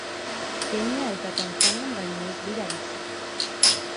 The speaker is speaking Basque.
Kenya eta Tanzanian baino ez dira bizi.